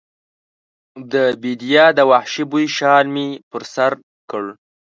د بیدیا د وحشي بوی شال مې پر سر کړ